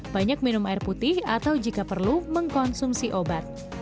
banyak minum air putih atau jika perlu mengkonsumsi obat